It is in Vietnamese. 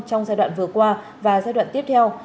trong giai đoạn vừa qua và giai đoạn tiếp theo